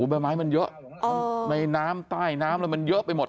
ใบไม้มันเยอะในน้ำใต้น้ำแล้วมันเยอะไปหมด